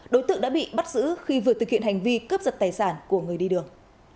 đối tượng đã bị bắt giữ khi vừa thực hiện hành vi cướp giật tài sản của người đi đường